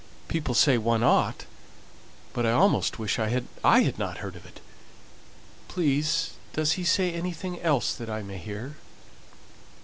"People say one ought, but I almost wish I hadn't heard it. Please, does he say anything else that I may hear?"